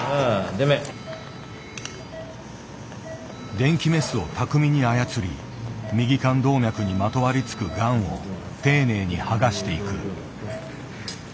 電気メスを巧みに操り右肝動脈にまとわりつくがんを丁寧に剥がしていく。